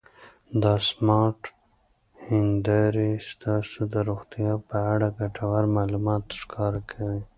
دا سمارټ هېندارې ستاسو د روغتیا په اړه ګټور معلومات ښکاره کوي.